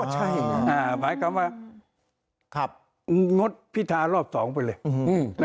หมายความว่างดพิทารอีกรอบสองไปเลย